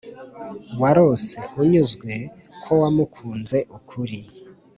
warose, unyuzwe ko wamukunze ukuri,